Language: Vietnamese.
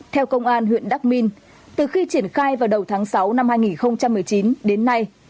theo công an huyện đắc minh từ khi triển khai vào đầu tháng sáu năm hai nghìn một mươi chín đến nay